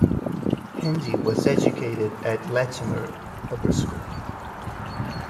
Hendy was educated at Latymer Upper School.